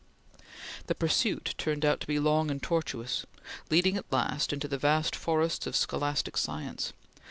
The pursuit turned out to be long and tortuous, leading at last to the vast forests of scholastic science.